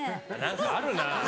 何かあるな。